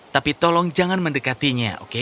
tapi tolong jangan mendekatinya oke